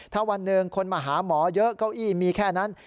ถ้าวันหนึ่งคนมาหาหมอเยอะเก้าอี้มีแค่นั้น